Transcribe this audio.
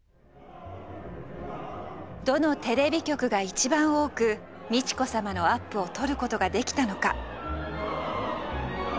どのテレビ局が一番多く美智子さまのアップを撮る事ができたのか。